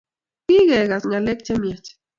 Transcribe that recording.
Kigegas ng'alek Che maiach